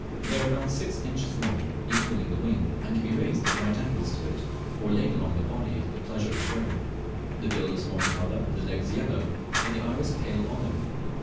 They are about six inches long, equalling the wing, and can be raised at right angles to it, or laid along the body at the pleasure of the bird. The bill is horn colour, the legs yellow, and the iris pale olive.